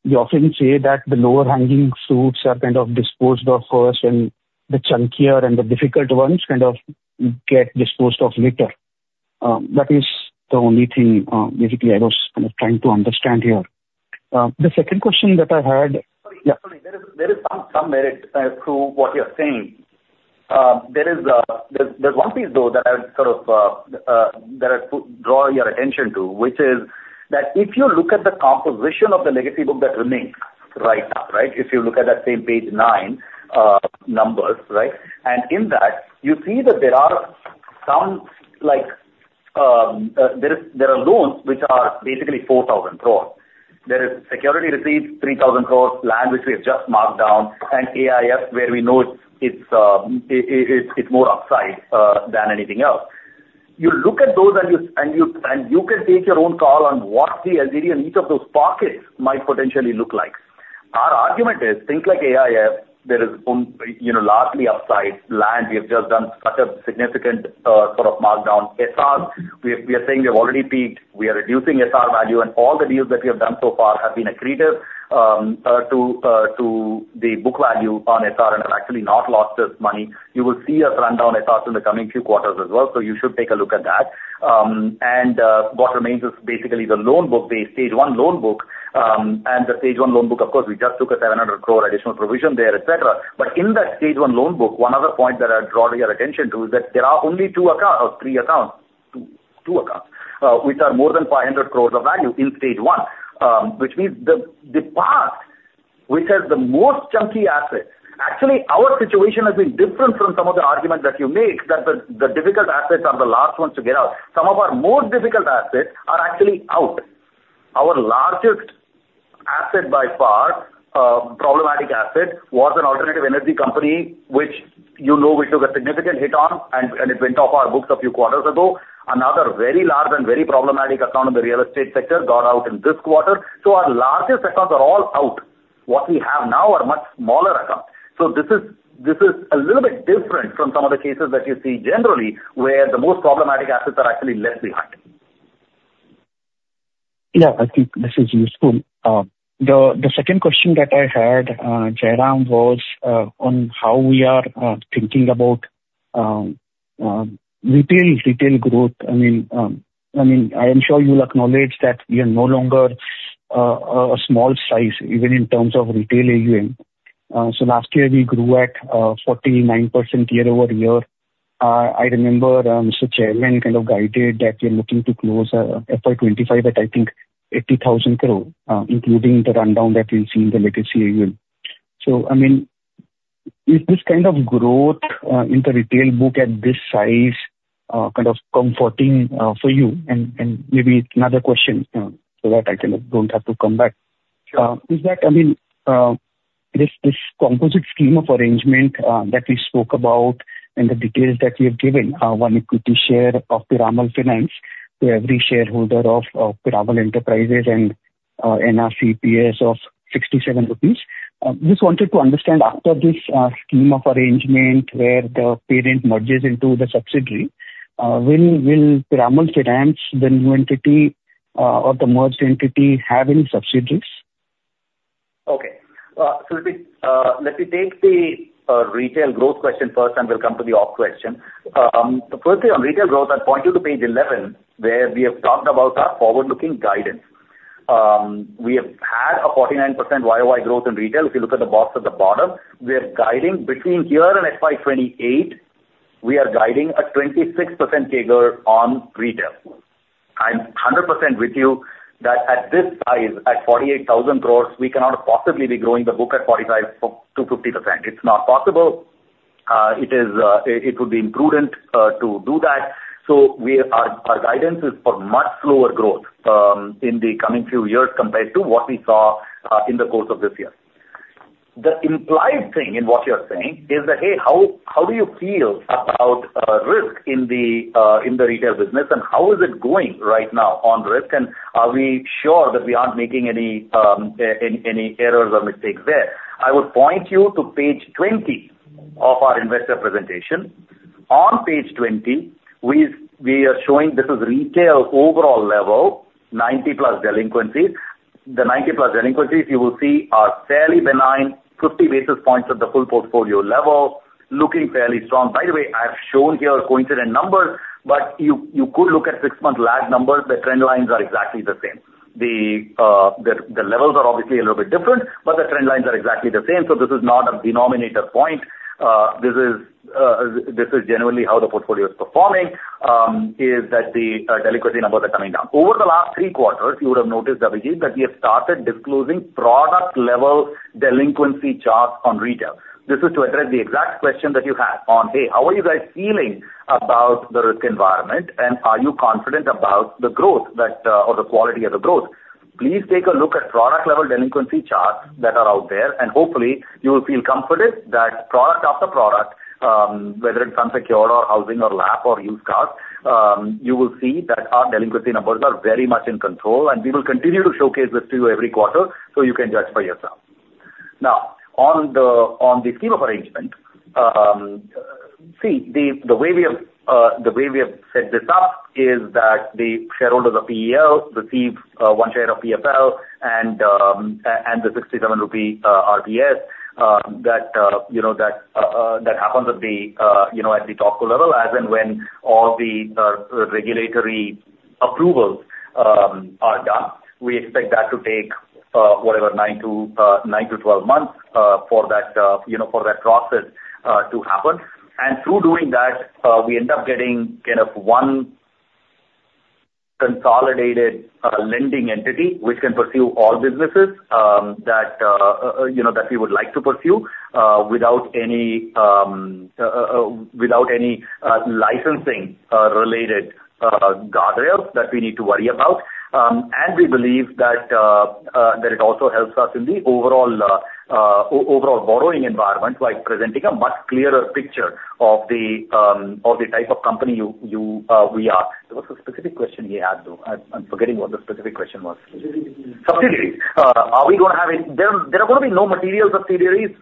they often say that the lower-hanging fruits are kind of disposed of first, and the chunkier and the difficult ones kind of get disposed of later. That is the only thing, basically, I was kind of trying to understand here. The second question that I had. Sorry. Yeah. Sorry. There is some merit to what you're saying. There's one piece, though, that I would sort of I'd draw your attention to, which is that if you look at the composition of the legacy book that remains right now, right, if you look at that same page 9 numbers, right, and in that, you see that there are loans which are basically 4,000 crore. There is security receipts, 3,000 crore, land which we have just marked down, and AIF where we know it's more upside than anything else. You look at those, and you can take your own call on what the LGD in each of those pockets might potentially look like. Our argument is, think like AIF. There is largely upside land. We have just done such a significant sort of markdown. SR, we are saying we have already peaked. We are reducing SR value. And all the deals that we have done so far have been accretive to the book value on SR and have actually not lost us money. You will see us run down SRs in the coming few quarters as well. So you should take a look at that. And what remains is basically the loan book base, stage one loan book. And the stage one loan book, of course, we just took a 700 crore additional provision there, etc. But in that stage one loan book, one other point that I'd draw your attention to is that there are only two accounts or three accounts, two accounts, which are more than 500 crore of value in stage one, which means the part which has the most chunky assets actually, our situation has been different from some of the arguments that you make that the difficult assets are the last ones to get out. Some of our most difficult assets are actually out. Our largest asset by far, problematic asset, was an alternative energy company which you know we took a significant hit on, and it went off our books a few quarters ago. Another very large and very problematic account in the real estate sector got out in this quarter. So our largest accounts are all out. What we have now are much smaller accounts. This is a little bit different from some of the cases that you see generally where the most problematic assets are actually left behind. Yeah. I think this is useful. The second question that I had, Jairam, was on how we are thinking about retail growth. I mean, I am sure you'll acknowledge that we are no longer a small size, even in terms of retail AUM. So last year, we grew at 49% year-over-year. I remember Mr. Chairman kind of guided that we are looking to close FY25 at, I think, 80,000 crore, including the rundown that we've seen in the legacy AUM. So I mean, is this kind of growth in the retail book at this size kind of comforting for you? And maybe another question so that I kind of don't have to come back. I mean, this composite scheme of arrangement that we spoke about and the details that we have given, one equity share of Piramal Finance to every shareholder of Piramal Enterprises and NCRPS of 67 rupees, just wanted to understand, after this scheme of arrangement where the parent merges into the subsidiary, will Piramal Finance, the new entity, or the merged entity have any subsidiaries? Okay. So let me take the retail growth question first, and we'll come to the ops question. Firstly, on retail growth, I'd point you to page 11 where we have talked about our forward-looking guidance. We have had a 49% YOY growth in retail. If you look at the box at the bottom, we are guiding between here and FY28, we are guiding a 26% CAGR on retail. I'm 100% with you that at this size, at 48,000 crore, we cannot possibly be growing the book at 45%-50%. It's not possible. It would be imprudent to do that. So our guidance is for much slower growth in the coming few years compared to what we saw in the course of this year. The implied thing in what you're saying is that, "Hey, how do you feel about risk in the retail business, and how is it going right now on risk, and are we sure that we aren't making any errors or mistakes there?" I would point you to page 20 of our investor presentation. On page 20, we are showing this is retail overall level, 90+ delinquencies. The 90+ delinquencies, you will see, are fairly benign, 50 basis points of the full portfolio level, looking fairly strong. By the way, I have shown here coincident numbers, but you could look at 6-month lag numbers. The trend lines are exactly the same. The levels are obviously a little bit different, but the trend lines are exactly the same. So this is not a denominator point. This is generally how the portfolio is performing, is that the delinquency numbers are coming down. Over the last three quarters, you would have noticed, Abhijit, that we have started disclosing product-level delinquency charts on retail. This is to address the exact question that you had on, "Hey, how are you guys feeling about the risk environment, and are you confident about the growth or the quality of the growth?" Please take a look at product-level delinquency charts that are out there. Hopefully, you will feel comforted that product after product, whether it's unsecured or housing or LAP or used cars, you will see that our delinquency numbers are very much in control. We will continue to showcase this to you every quarter, so you can judge for yourself. Now, on the scheme of arrangement, see, the way we have the way we have set this up is that the shareholders of PEL receive one share of PFL and the 67 rupee RPS that happens at the top level. As in when all the regulatory approvals are done, we expect that to take whatever 9-12 months for that process to happen. And through doing that, we end up getting kind of one consolidated lending entity which can pursue all businesses that we would like to pursue without any licensing-related guardrails that we need to worry about. And we believe that it also helps us in the overall borrowing environment by presenting a much clearer picture of the type of company we are. There was a specific question he had, though. I'm forgetting what the specific question was. Subsidies. Are we going to have any? There are going to be no material subsidiaries.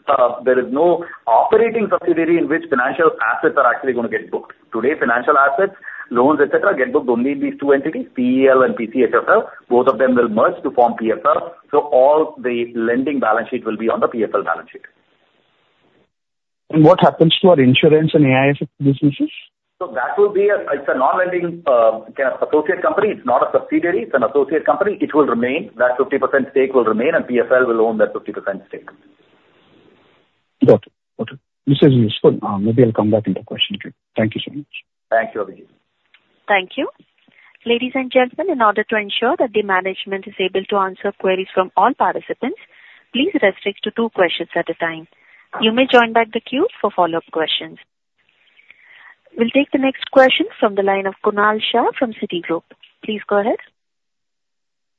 There is no operating subsidiary in which financial assets are actually going to get booked. Today, financial assets, loans, etc., get booked only in these two entities, PEL and PCHFL. Both of them will merge to form PFL. So all the lending balance sheet will be on the PFL balance sheet. What happens to our insurance and AIF businesses? So that will be. It's a non-lending kind of associate company. It's not a subsidiary. It's an associate company. It will remain. That 50% stake will remain, and PFL will own that 50% stake. Got it. Got it. This is useful. Maybe I'll come back into questioning. Thank you so much. Thank you, Abhijit. Thank you. Ladies and gentlemen, in order to ensure that the management is able to answer queries from all participants, please restrict to two questions at a time. You may join back the queue for follow-up questions. We'll take the next question from the line of Kunal Shah from Citigroup. Please go ahead.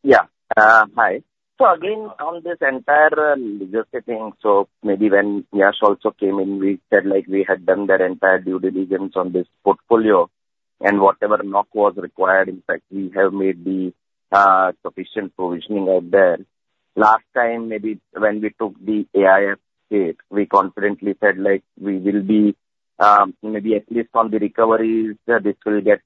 Yeah. Hi. So again, on this entire legacy thing, so maybe when Yesh also came in, we said we had done that entire due diligence on this portfolio. And whatever knock was required, in fact, we have made the sufficient provisioning out there. Last time, maybe when we took the AIF stake, we confidently said we will be maybe at least on the recoveries, this will get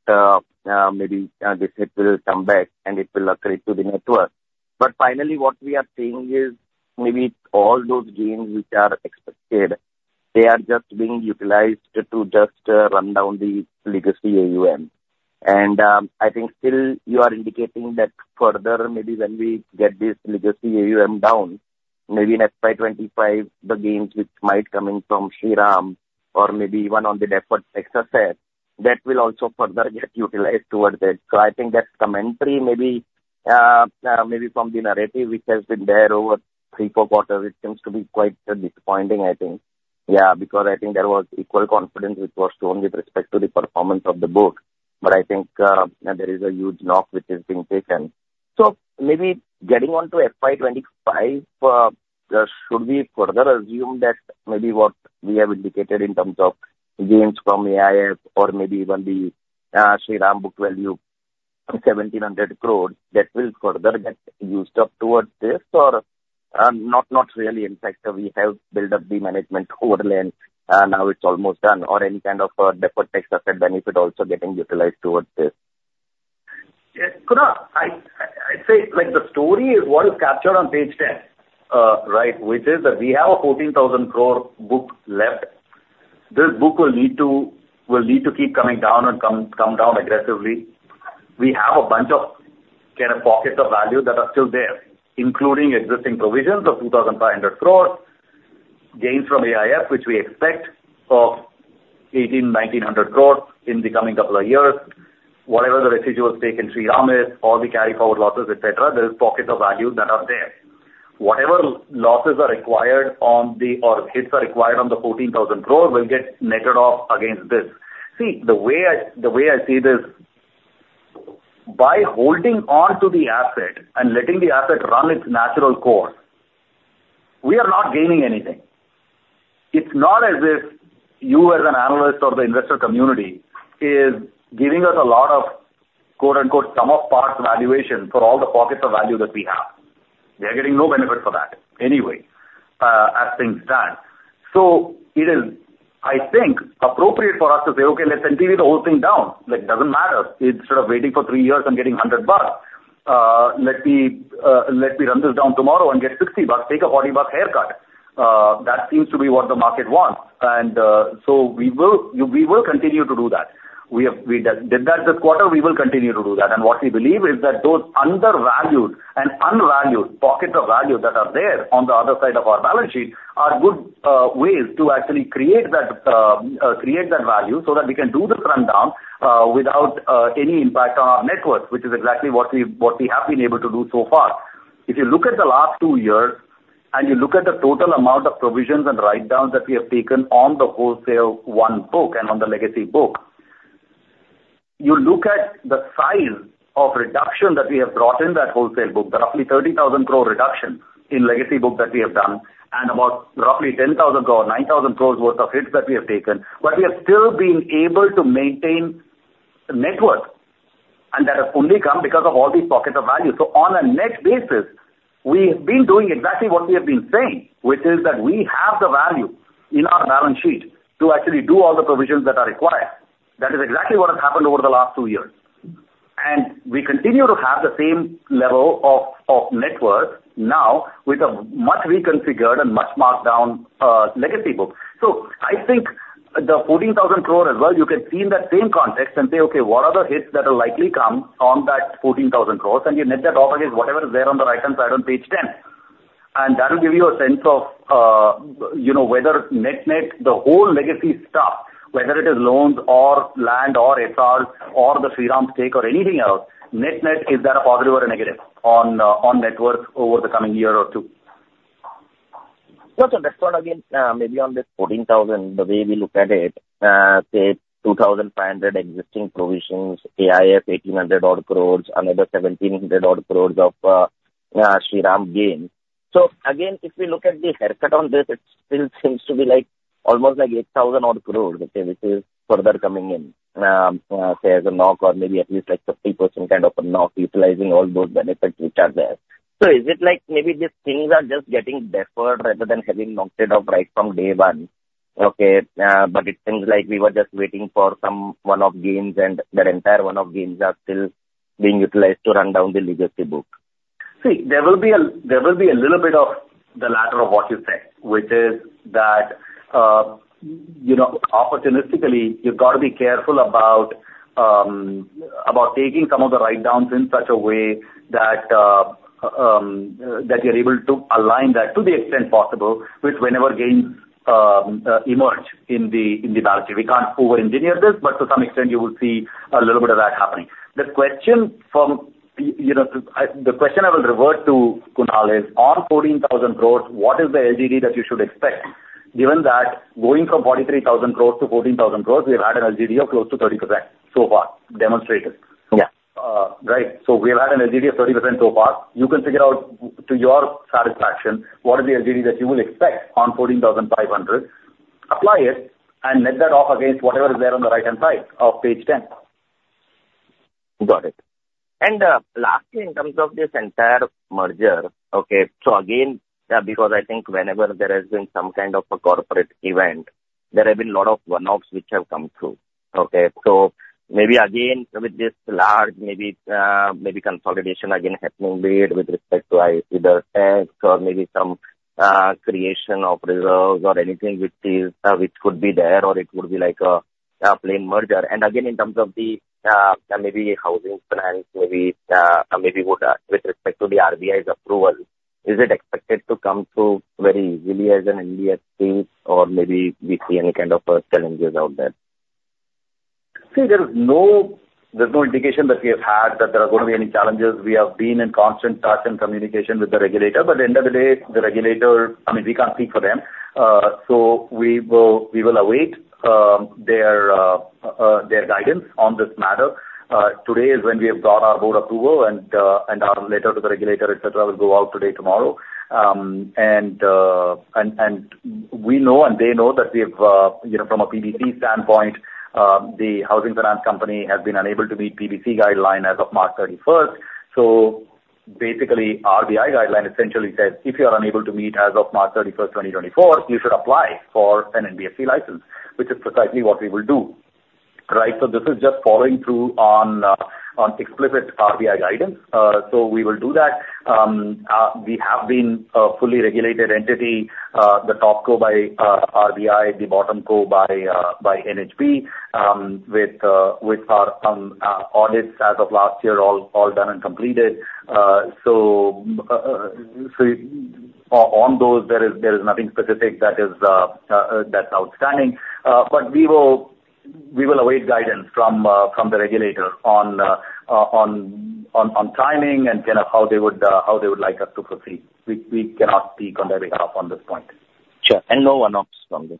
maybe this hit will come back, and it will accrete to the net worth. But finally, what we are seeing is maybe all those gains which are expected, they are just being utilized to just run down the legacy AUM. And I think still you are indicating that further, maybe when we get this legacy AUM down, maybe in FY25, the gains which might come in from Shriram or maybe even on the DHFL excess set, that will also further get utilized towards it. So I think that commentary, maybe from the narrative which has been there over 3-4 quarters, it seems to be quite disappointing, I think, yeah, because I think there was equal confidence which was shown with respect to the performance of the book. But I think there is a huge knock which is being taken. So maybe getting onto FY25, should we further assume that maybe what we have indicated in terms of gains from AIF or maybe even the Shriram book value of 1,700 crore, that will further get used up towards this or not really? In fact, we have built up the management overlay, and now it's almost done, or any kind of default excess setoff benefit also getting utilized towards this? Yeah. Kunal, I'd say the story is what is captured on page 10, right, which is that we have an 14,000 crore book left. This book will need to keep coming down and come down aggressively. We have a bunch of kind of pockets of value that are still there, including existing provisions of 2,500 crores, gains from AIF which we expect of 18,000-1,900 crores in the coming couple of years. Whatever the residual stake in Shriram is, all the carry-forward losses, etc., there's pockets of value that are there. Whatever losses are required on the book or hits are required on the 14,000 crore will get netted off against this. See, the way I see this, by holding onto the asset and letting the asset run its natural course, we are not gaining anything. It's not as if you, as an analyst or the investor community, is giving us a lot of "sum of parts" valuation for all the pockets of value that we have. We are getting no benefit for that anyway as things stand. So it is, I think, appropriate for us to say, "Okay. Let's NPV the whole thing down. Doesn't matter. Instead of waiting for three years and getting $100, let me run this down tomorrow and get $60, take a $40 haircut. That seems to be what the market wants." And so we will continue to do that. We did that this quarter. We will continue to do that. What we believe is that those undervalued and unvalued pockets of value that are there on the other side of our balance sheet are good ways to actually create that value so that we can do this rundown without any impact on our net worth, which is exactly what we have been able to do so far. If you look at the last two years and you look at the total amount of provisions and write-downs that we have taken on the wholesale one book and on the legacy book, you look at the size of reduction that we have brought in that wholesale book, the roughly 30,000 crore reduction in legacy book that we have done and about roughly 10,000 or 9,000 crores' worth of hits that we have taken, but we have still been able to maintain net worth. That has only come because of all these pockets of value. On a net basis, we have been doing exactly what we have been saying, which is that we have the value in our balance sheet to actually do all the provisions that are required. That is exactly what has happened over the last two years. We continue to have the same level of net worth now with a much reconfigured and much marked down legacy book. I think the 14,000 crore as well, you can see in that same context and say, "Okay. What are the hits that are likely to come on that 14,000 crores?" You net that off against whatever is there on the right-hand side on page 10. That will give you a sense of whether net-net, the whole legacy stuff, whether it is loans or land or SRs or the Shriram stake or anything else, net-net is that a positive or a negative on net worth over the coming year or two. Gotcha. That's what, again, maybe on this 14,000 crores, the way we look at it, say, 2,500 crores existing provisions, AIF 1,800-odd crores, another 1,700-odd crores of Shriram gains. So again, if we look at the haircut on this, it still seems to be almost like 8,000-odd crores, okay, which is further coming in, say, as a knock or maybe at least like 50% kind of a knock utilizing all those benefits which are there. So is it maybe these things are just getting deferred rather than having knocked it off right from day one, okay, but it seems like we were just waiting for some one-off gains, and that entire one-off gains are still being utilized to run down the legacy book? See, there will be a little bit of the latter of what you said, which is that opportunistically, you've got to be careful about taking some of the write-downs in such a way that you're able to align that to the extent possible with whenever gains emerge in the balance sheet. We can't over-engineer this, but to some extent, you will see a little bit of that happening. The question from the question I will revert to, Kunal, is on 14,000 crore, what is the LGD that you should expect? Given that going from 43,000 crore to 14,000 crore, we have had an LGD of close to 30% so far, demonstrated, right? So we have had an LGD of 30% so far. You can figure out to your satisfaction what is the LGD that you will expect on 14,500, apply it, and net that off against whatever is there on the right-hand side of page 10. Got it. And lastly, in terms of this entire merger, okay, so again, because I think whenever there has been some kind of a corporate event, there have been a lot of one-offs which have come through, okay? So maybe again, with this large, maybe consolidation again happening with respect to either tax or maybe some creation of reserves or anything which could be there, or it would be like a plain merger. And again, in terms of the maybe housing plans, maybe with respect to the RBI's approval, is it expected to come through very easily as an NBFC status, or maybe we see any kind of challenges out there? See, there's no indication that we have had that there are going to be any challenges. We have been in constant touch and communication with the regulator. But at the end of the day, the regulator I mean, we can't speak for them. So we will await their guidance on this matter. Today is when we have brought our board approval, and our letter to the regulator, etc., will go out today, tomorrow. And we know and they know that we have from a PBC standpoint, the housing finance company has been unable to meet PBC guideline as of March 31st. So basically, RBI guideline essentially says, "If you are unable to meet as of March 31st, 2024, you should apply for an NBFC license," which is precisely what we will do, right? So this is just following through on explicit RBI guidance. So we will do that. We have been a fully regulated entity, the top tier by RBI, the bottom tier by NHB, with our audits as of last year all done and completed. So on those, there is nothing specific that's outstanding. But we will await guidance from the regulator on timing and kind of how they would like us to proceed. We cannot speak on their behalf on this point. Sure. And no one knocks on them?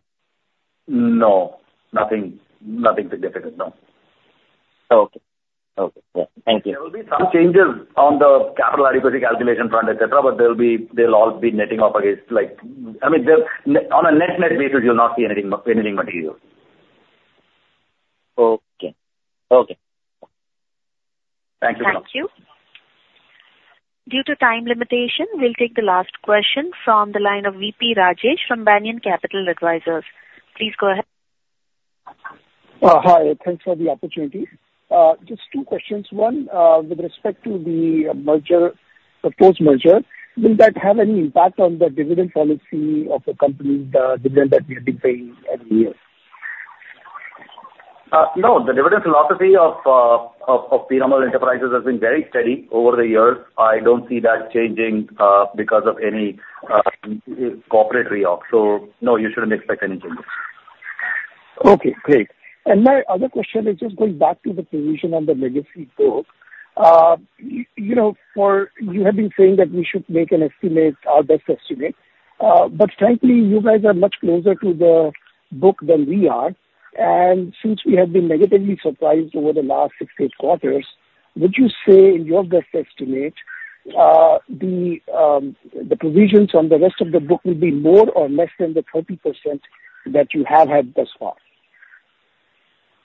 No. Nothing significant. No. Okay. Okay. Yeah. Thank you. There will be some changes on the capital adequacy calculation front, etc., but they'll all be netting off against—I mean, on a net-net basis, you'll not see anything material. Okay. Okay. Thank you so much. Thank you. Due to time limitation, we'll take the last question from the line of V.P. Rajesh from Banyan Capital Advisors. Please go ahead. Hi. Thanks for the opportunity. Just two questions. One, with respect to the proposed merger, will that have any impact on the dividend policy of the company, the dividend that we have been paying every year? No. The dividend philosophy of Piramal Enterprises has been very steady over the years. I don't see that changing because of any corporate re-op. So no, you shouldn't expect any changes. Okay. Great. And my other question is just going back to the provision on the legacy book. You have been saying that we should make an estimate, our best estimate. But frankly, you guys are much closer to the book than we are. And since we have been negatively surprised over the last 6, 8 quarters, would you say in your best estimate, the provisions on the rest of the book will be more or less than the 30% that you have had thus far?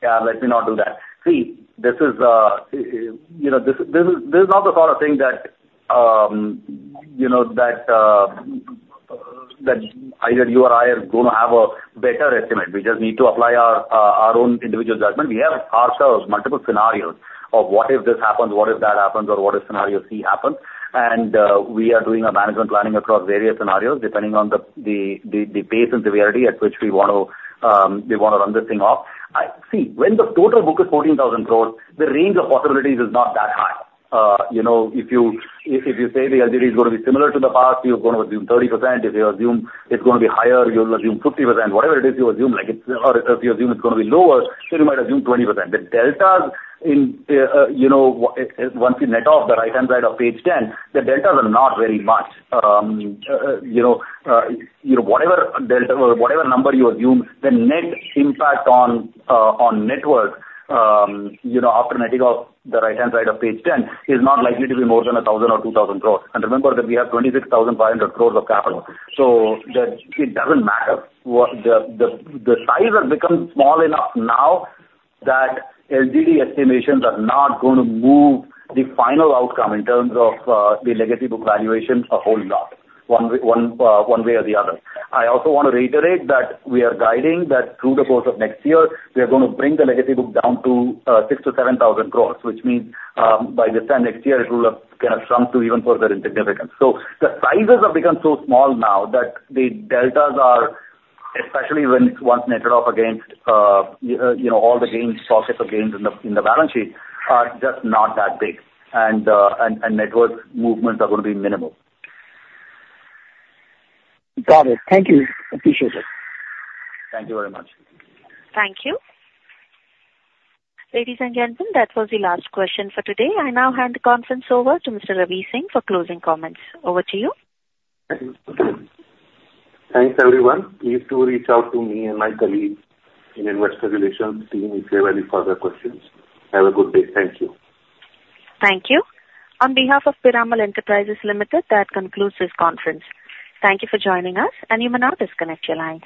Yeah. Let me not do that. See, this is not the sort of thing that either you or I are going to have a better estimate. We just need to apply our own individual judgment. We have ourselves multiple scenarios of what if this happens, what if that happens, or what if scenario C happens. And we are doing a management planning across various scenarios depending on the pace and severity at which we want to run this thing off. See, when the total book is 14,000 crore, the range of possibilities is not that high. If you say the LGD is going to be similar to the past, you're going to assume 30%. If you assume it's going to be higher, you'll assume 50%. Whatever it is you assume, or if you assume it's going to be lower, then you might assume 20%. The deltas in once you net off the right-hand side of page 10, the deltas are not very much. Whatever delta or whatever number you assume, the net impact on net worth after netting off the right-hand side of page 10 is not likely to be more than 1,000 crore or 2,000 crore. Remember that we have 26,500 crore of capital. So it doesn't matter. The sizes have become small enough now that LGD estimations are not going to move the final outcome in terms of the legacy book valuation a whole lot one way or the other. I also want to reiterate that we are guiding that through the course of next year, we are going to bring the legacy book down to 6,000 crore-7,000 crore, which means by the time next year, it will have kind of shrunk to even further insignificance. The sizes have become so small now that the deltas are, especially once netted off against all the pockets of gains in the balance sheet, just not that big. Network movements are going to be minimal. Got it. Thank you. Appreciate it. Thank you very much. Thank you. Ladies and gentlemen, that was the last question for today. I now hand the conference over to Mr. Ravi Singh for closing comments. Over to you. Thanks, everyone. Please do reach out to me and my colleagues in investor relations team if you have any further questions. Have a good day. Thank you. Thank you. On behalf of Piramal Enterprises Limited, that concludes this conference. Thank you for joining us, and you may now disconnect your lines.